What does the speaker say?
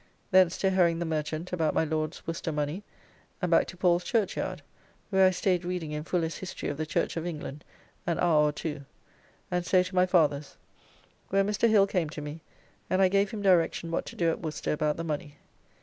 Thence to Hering' the merchant about my Lord's Worcester money and back to Paul's Churchyard, where I staid reading in Fuller's History of the Church of England an hour or two, and so to my father's, where Mr. Hill came to me and I gave him direction what to do at Worcester about the money.